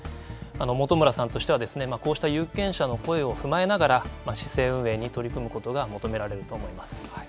本村さんとしてはこうした有権者の声を踏まえながら市政運営に取り組むことが求められると思います。